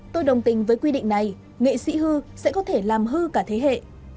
tôi đồng tình với quy định này nghệ sĩ hư sẽ có thể làm hư cả thế hệ